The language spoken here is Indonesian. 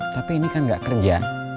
tapi ini kan gak kerja